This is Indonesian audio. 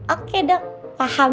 oke dok paham